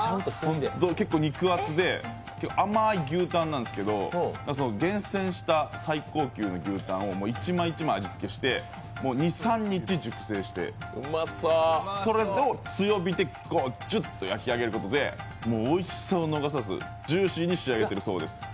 結構肉厚で甘い牛たんなんですけど、厳選した最高級の牛たんを１枚１枚味付けして、２３日熟成して、それを強火でジュッと焼き上げることでおいしさを逃さずジューシーに仕上げてるそうです。